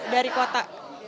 lima ratus dari kota